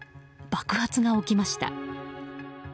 爆発が起きました。